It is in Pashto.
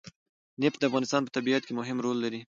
نفت د افغانستان په طبیعت کې مهم رول لري.